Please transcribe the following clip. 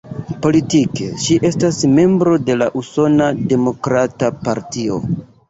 Politike ŝi estas membro de la Usona Demokrata Partio.